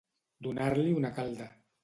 Donar-li una calda.